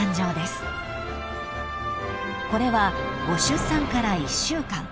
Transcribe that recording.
［これはご出産から１週間］